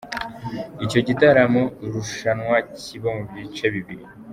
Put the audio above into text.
Icyo gitaramo-rushanwa kiba mu bice bibiri.